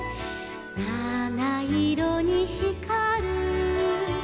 「なないろにひかる」